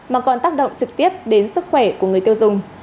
mà còn tác động trực tiếp đến sức khỏe của người tiêu dùng